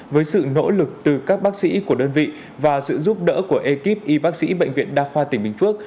với sự nỗ lực từ các bác sĩ của đơn vị và sự giúp đỡ của ekip y bác sĩ bệnh viện đa khoa tỉnh bình phước